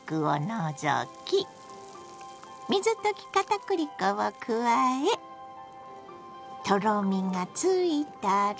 水溶き片栗粉を加えとろみがついたら。